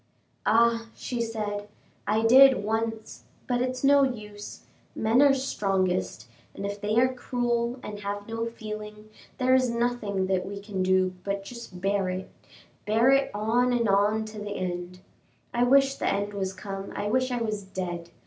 "Ah!" she said, "I did once, but it's no use; men are strongest, and if they are cruel and have no feeling, there is nothing that we can do but just bear it bear it on and on to the end. I wish the end was come, I wish I was dead.